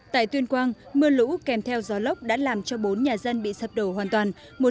tại tuyên quang mưa lũ kèm theo gió lốc đã làm cho bốn nhà dân bị sập đổ hoàn toàn